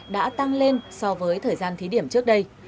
đã tăng lên so với thời gian thí điểm trước đây